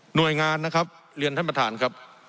หน่วยงานนะครับเรียนท่านประธานครับ